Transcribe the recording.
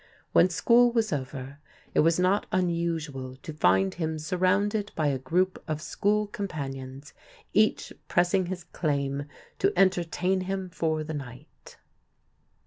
When school was over, it was not unusual to find him surrounded by a group of school companions, each pressing his claim to entertain him for the night.